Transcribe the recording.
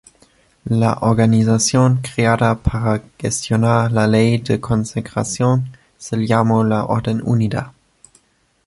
La organización creada para gestionar la Ley de Consagración se llamó la Orden Unida.